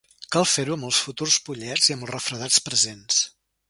Cal fer-ho amb els futurs pollets i amb els refredats presents.